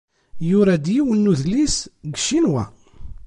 Yura-d yiwen n wedlis deg Ccinwa.